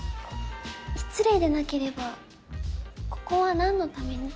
失礼でなければここは何のために？